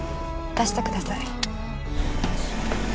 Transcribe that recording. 出してください。